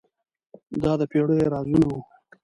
دا د پیړیو رازونه وو.